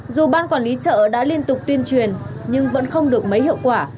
dù ban quản lý chợ đã liên tục tuyên truyền nhưng vẫn không được mấy hiệu quả